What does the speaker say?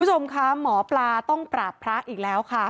คุณผู้ชมคะหมอปลาต้องปราบพระอีกแล้วค่ะ